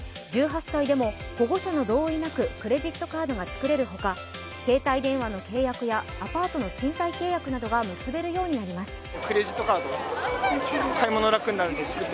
１８歳でも保護者の同意なくクレジットカードが作れるほか携帯電話の契約やアパートの賃貸契約などが結べるようになります。